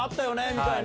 みたいな。